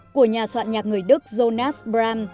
của nhà soạn nhạc người đức jonas bram